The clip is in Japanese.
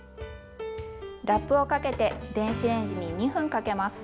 ラップをかけて電子レンジに２分かけます。